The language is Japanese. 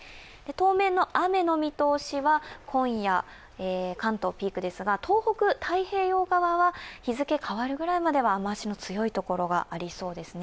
当面の雨の見通しは今夜関東ピークですが、東北の太平洋側は日付変わるぐらいまでは雨足強い所がありそうです。